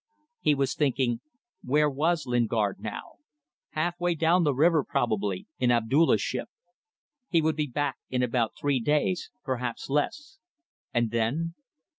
He was thinking: "Where was Lingard now? Halfway down the river probably, in Abdulla's ship. He would be back in about three days perhaps less. And then?